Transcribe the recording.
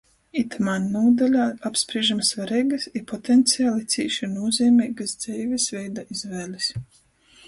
Itamā nūdaļā apsprīžam svareigys i potenciali cīši nūzeimeigys dzeivis veida izvēlis.